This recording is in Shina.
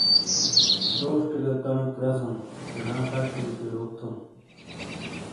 لوشٹے گہ کمیک رزونڈ شینا پھش بیلی تو یوک تھونڈ